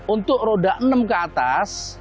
untuk roda enam ke atas